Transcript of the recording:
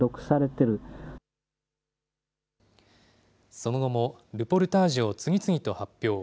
その後もルポルタージュを次々と発表。